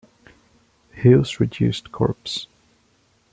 Hill's reduced corps.